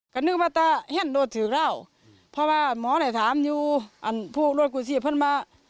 น้องเขยของผู้ตายนะครับให้ข้อมูลว่า